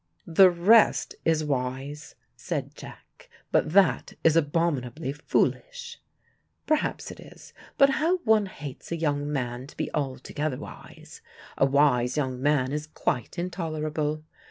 "The rest is wise," said Jack, "but that is abominably foolish." "Perhaps it is, but how one hates a young man to be altogether wise. A wise young man is quite intolerable.